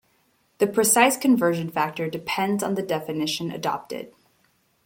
The precise conversion factor depends on the definition adopted.